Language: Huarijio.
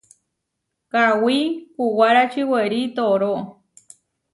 Kawí kuwárači werí tooró.